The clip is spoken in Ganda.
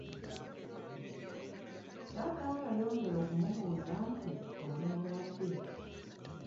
Taata we yayongera okumubuuza nti, “Oli mulwadde?”